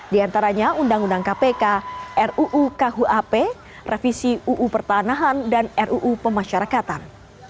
di antaranya undang undang kpk ruu kuap revisi uu pertanahan dan ruu pemasyarakatan